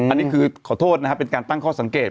อันนี้คือขอโทษนะครับเป็นการตั้งข้อสังเกต